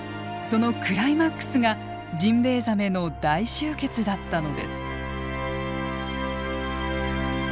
そのクライマックスがジンベエザメの大集結だったのです。